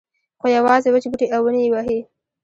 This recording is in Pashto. خو یوازې وچ بوټي او ونې یې وهي.